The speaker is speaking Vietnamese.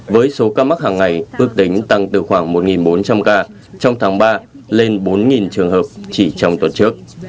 với số ca mắc hàng ngày ước tính tăng từ khoảng một bốn trăm linh ca trong tháng ba lên bốn trường hợp chỉ trong tuần trước